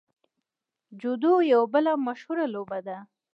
جودو یوه بله مشهوره لوبه ده.